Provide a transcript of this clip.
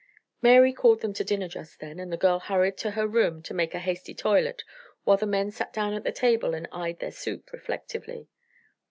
Mary called them to dinner just then, and the girl hurried to her room to make a hasty toilet while the men sat down at the table and eyed their soup reflectively.